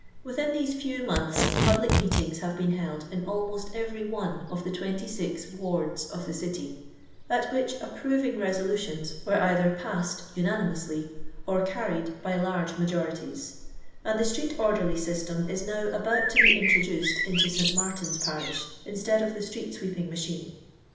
Within these few months public meetings have been held in almost every one of the 20 wards of the City, at which approving resolutions were either passed unanimously or carried by large majorities ; and the street orderly system is now about to be introduced into St. Martin's parish instead of the street sweeping machine.